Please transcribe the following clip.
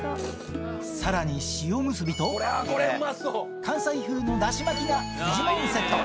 さらに塩むすびと、関西風のだし巻きがフジモンセット。